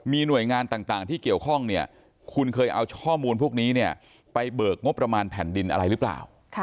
มีหน่วยงานต่างที่เกี่ยวข้องเนี่ยคุณเคยเอาข้อมูลพวกนี้เนี่ยไปเบิกงบประมาณแผ่นดินอะไรหรือเปล่า